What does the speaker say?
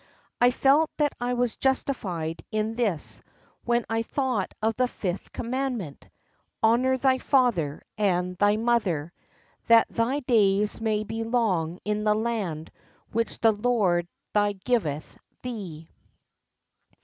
I felt that I was justified in this when I thought of the fifth commandment, 'Honour thy father and thy mother, that thy days may be long in the land which the Lord thy God giveth thee.